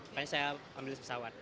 makanya saya memilih pesawat